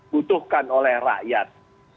butuhkan oleh rakyat